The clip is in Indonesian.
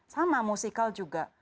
sama musikal juga